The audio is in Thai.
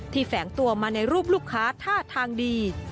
แฝงตัวมาในรูปลูกค้าท่าทางดี